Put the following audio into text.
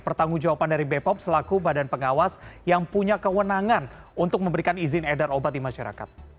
pertanggung jawaban dari bepom selaku badan pengawas yang punya kewenangan untuk memberikan izin edar obat di masyarakat